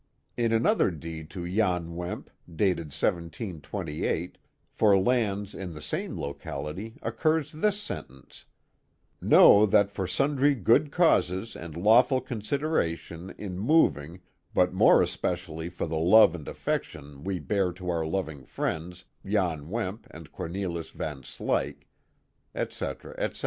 In another deed to Jan Wemp, dated 1728, for I lands in the same locality, occurs this sentence: " Know that ■ for sundry good causes and lawful considerations in moi ing, but more especially for the love and affection we bear to our loving friends, Jan Weinp and Cornelis Van Slyck," etc., etc.